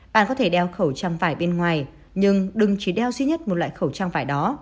bạn có thể đeo khẩu trang vải bên ngoài nhưng đừng chỉ đeo duy nhất một loại khẩu trang vải đó